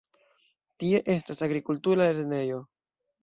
Tie estas agrikultura lernejo.